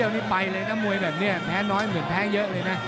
ถ้ามวยแบบนี้แพ้น้อยเหมือนแพ้เยอะเลยนะ